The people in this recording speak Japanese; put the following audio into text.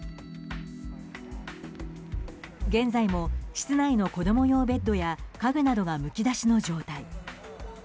現在も室内の子供用ベッドや家具などが、むき出しの状態。